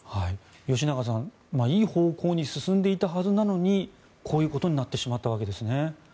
吉永さん、いい方向に進んでいたはずなのにこういうことになってしまったわけですね。